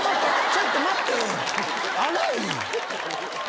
ちょっと待って！